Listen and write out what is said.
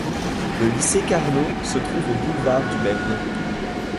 Le Lycée Carnot se trouve au du boulevard du même nom.